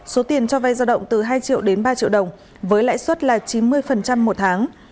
số tiền cho vay giao động từ hai triệu đến ba triệu đồng với lãi suất là chín mươi một tháng